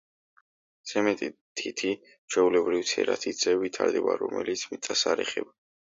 ზედმეტი თითი ჩვეულებრივ ცერა თითზე ვითარდება, რომელიც მიწას არც ეხება.